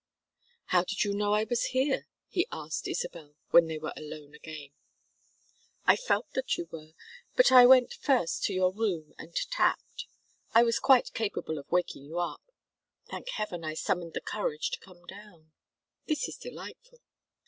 "How did you know I was here?" he asked Isabel, when they were alone again. "I felt that you were, but I went first to your room and tapped. I was quite capable of waking you up. Thank heaven I summoned the courage to come down. This is delightful."